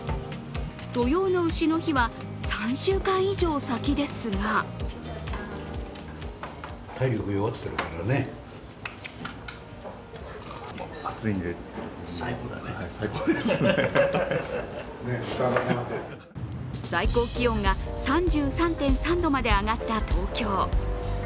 土用のうしの日は３週間以上、先ですが最高気温が３３．３度まで上がった東京。